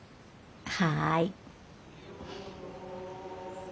はい。